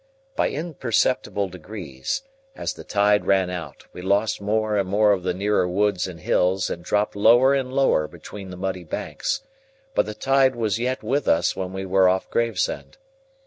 By imperceptible degrees, as the tide ran out, we lost more and more of the nearer woods and hills, and dropped lower and lower between the muddy banks, but the tide was yet with us when we were off Gravesend.